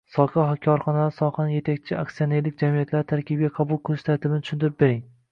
Soha korxonalarini sohaning etakchi aktsionerlik jamiyatlari tarkibiga qabul qilish tartibini tushuntirib bering.